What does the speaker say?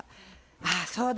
あっそうだ！